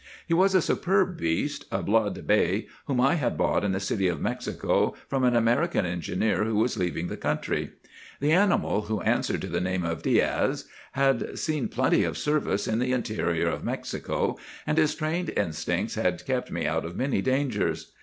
He was a superb beast, a blood bay, whom I had bought in the city of Mexico from an American engineer who was leaving the country. The animal, who answered to the name of Diaz, had seen plenty of service in the interior of Mexico, and his trained instincts had kept me out of many dangers.